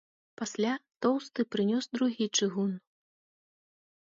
Пасля тоўсты прынёс другі чыгун.